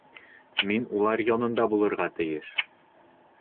Мин улар янында булырға тейеш.